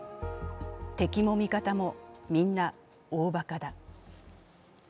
敵も味方も、みんな大ばかだ。